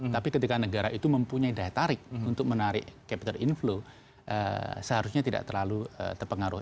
tapi ketika negara itu mempunyai daya tarik untuk menarik capital inflow seharusnya tidak terlalu terpengaruh